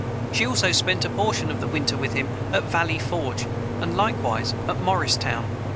She also spent a portion of the winter with him at Valley Forge, and likewise at Morristown.